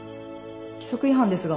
規則違反ですが。